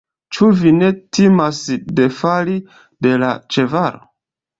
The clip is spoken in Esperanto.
Ĉu vi ne timas defali de la ĉevalo?